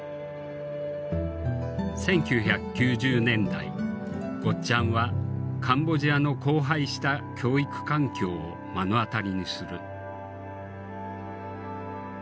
１９９０年代ゴッちゃんはカンボジアの荒廃した教育環境を目の当たりにする。